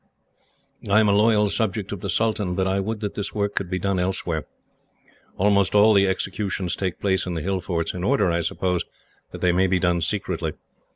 I am a loyal subject of the sultan, but I would that this work could be done elsewhere. Almost all the executions take place in the hill forts; in order, I suppose, that they may be done secretly.